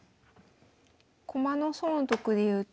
駒の損得でいうと。